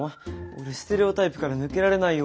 俺ステレオタイプから抜けられないよ。